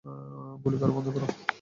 গুলি করা বন্ধ রাখো!